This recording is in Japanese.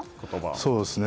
そうですね。